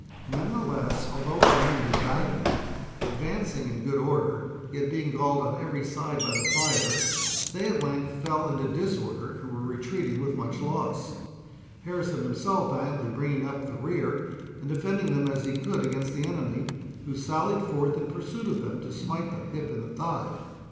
Nonetheless, although our men did valiantly, advancing in good order, yet being galled on every side by the fire, they at length fell into disorder, and were retreating with much loss, Harrison himself valiantly bringing up the rear, and defending them as he could against the enemy, who sallied forth in pursuit of them, to smite them hip and thigh.